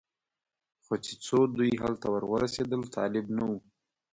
خو چې څو دوی هلته ور ورسېدل طالب نه و.